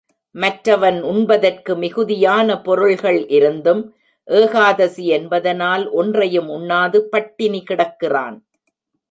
மற்றவன் உண்பதற்கு மிகுதியான பொருள்கள் இருந்தும், ஏகாதசி என்பதனால் ஒன்றையும் உண்ணாது பட்டினி கிடக்கிறான்.